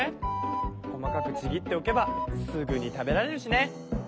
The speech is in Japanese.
細かくちぎっておけばすぐに食べられるしね。